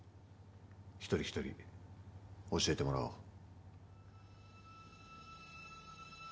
一人一人教えてもらおう。